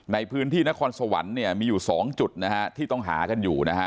ในพื้นที่นครสวรรค์มีอยู่๒จุดที่ต้องหากันอยู่